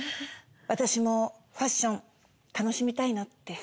私もファッション楽しみたいなって。